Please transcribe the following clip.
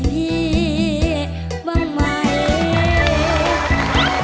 พี่บอกไหม